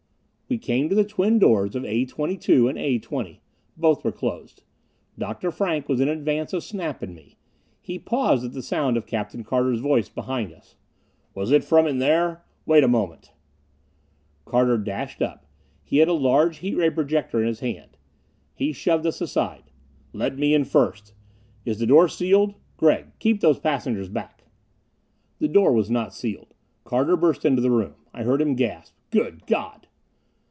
We came to the twin doors of A 22 and A 20. Both were closed. Dr. Frank was in advance of Snap and me. He paused at the sound of Captain Carter's voice behind us. "Was it from in there? Wait a moment!" Carter dashed up; he had a large heat ray projector in his hand. He shoved us aside. "Let me in first. Is the door sealed? Gregg, keep those passengers back!" The door was not sealed. Carter burst into the room. I heard him gasp, "Good God!"